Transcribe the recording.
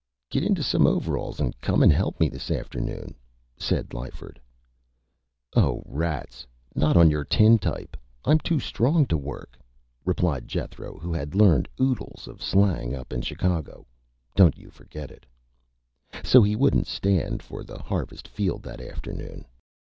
"Git into some Overhauls an' come an' he'p Me this Afternoon," said Lyford. "Oh, rats! Not on your Tintype! I'm too strong to work," replied Jethro, who had learned Oodles of slang up in Chicago, don't you forget it. [Illustration: PAW] So he wouldn't Stand for the Harvest Field that afternoon.